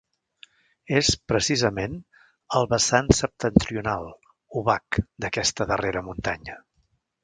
És, precisament, al vessant septentrional, obac, d'aquesta darrera muntanya.